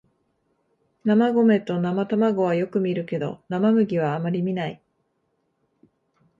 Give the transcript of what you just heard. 生米と生卵はよく見るけど生麦はあまり見ない